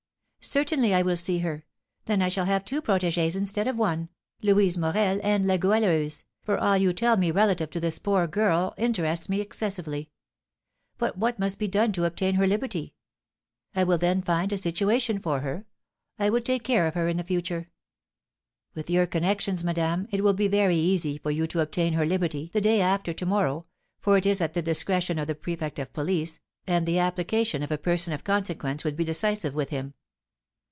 "Certainly I will see her; then I shall have two protégées instead of one, Louise Morel and La Goualeuse, for all you tell me relative to this poor girl interests me excessively. But what must be done to obtain her liberty? I will then find a situation for her. I will take care of her in future." "With your connections, madame, it will be very easy for you to obtain her liberty the day after to morrow, for it is at the discretion of the Prefect of Police, and the application of a person of consequence would be decisive with him.